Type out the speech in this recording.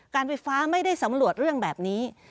การไฟฟ้าไม่ได้สำรวจเรื่องแบบนี้